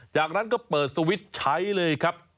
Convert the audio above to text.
จากนั้นก็เปิดสวิตช์ใช้เลยครับ